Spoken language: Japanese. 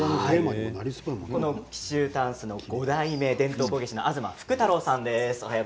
この紀州箪笥の５代目伝統工芸士の東福太郎さんです。